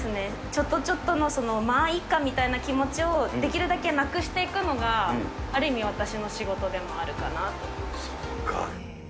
ちょっとちょっとの、その、まあいっかみたいな気持ちを、できるだけなくしていくのが、ある意味、私の仕事でもあるかなそっか。